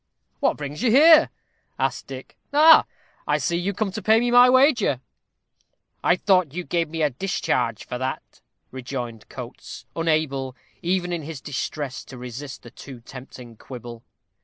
"What brings you here?" asked Dick. "Ah! I see, you are come to pay me my wager." "I thought you gave me a discharge for that," rejoined Coates, unable, even in his distress, to resist the too tempting quibble.